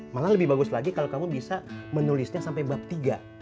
malah lebih bagus lagi kalau kamu bisa menulisnya sampai bab tiga